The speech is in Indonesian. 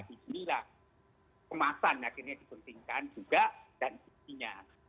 inilah kemasan yang diperhatikan juga dan istrinya